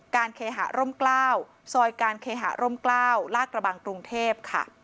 การเคหาร่มกล้าวซอยการเคหาร่มกล้าวลากระบังกรุงเทพฯ